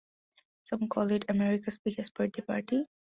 Some call it "America's Biggest Birthday Party".